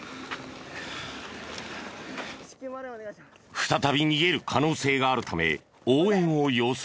再び逃げる可能性があるため応援を要請。